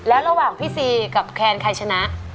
แล้วระหว่างพี่ซีกับแคนใครชนะ